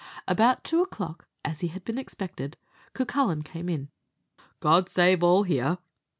About two o'clock, as he had been expected, Cucullin came in. "God save all here!"